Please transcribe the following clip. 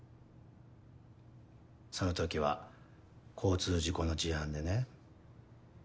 その時は交通事故の事案でね